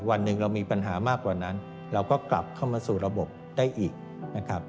วันหนึ่งเรามีปัญหามากกว่านั้นเราก็กลับเข้ามาสู่ระบบได้อีกนะครับ